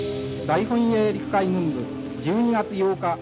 大本営陸海軍部１２月８日。